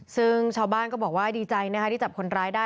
ซึ่งชาวบ้านก็บอกว่าดีใจนะคะที่จับคนร้ายได้